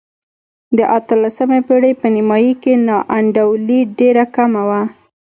د اتلسمې پېړۍ په نیمايي کې نا انډولي ډېره کمه وه.